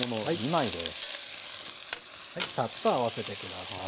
サッと合わせて下さい。